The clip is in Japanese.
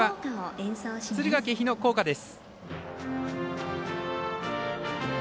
敦賀気比の校歌です。